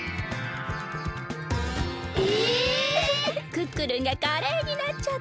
クックルンがカレーになっちゃった！